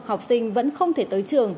học sinh vẫn không thể tới trường